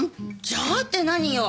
「じゃあ」って何よ！